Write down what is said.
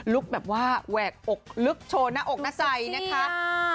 แบบว่าแหวกอกลึกโชว์หน้าอกหน้าใจนะคะ